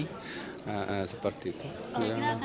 kalau kira akan ada pemanggilan dari menteri agama sendiri apa keadaannya